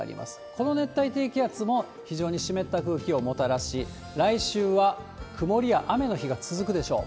この熱帯低気圧も非常に湿った空気をもたらし、来週は曇りや雨の日が続くでしょう。